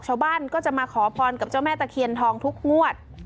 ชาวบ้านก็จะมาขอพรกับเจ้าแม่ตะเคียนทองทุกงวด